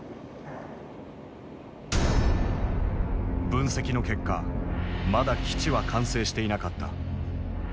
分析の結果まだ基地は完成していなかった。